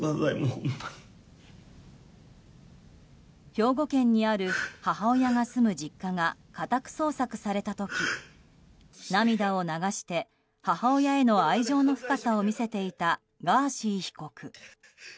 兵庫県にある母親が住む実家が家宅捜索された時涙を流して母親への愛情の深さを見せていたガーシー被告。